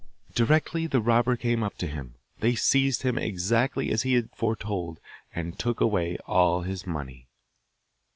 Directly the robber came up to him they seized him exactly as he had foretold and took away all his money.